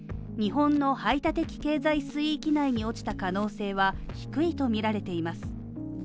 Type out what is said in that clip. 日本の排他的経済水域内に落ちた可能性は低いとみられています。